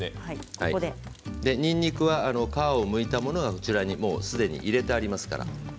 にんにくは皮をむいたものがもうすでに入れてあります。